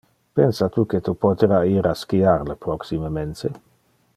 Pensa tu que tu potera ir a skiar le proxime mense?